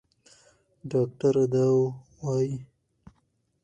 ډاکټره دا وايي.